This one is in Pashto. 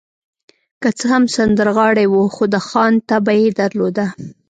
که څه هم سندرغاړی و، خو د خان طبع يې درلوده.